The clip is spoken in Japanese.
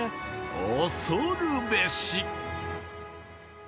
恐るべし！